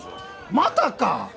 またか！？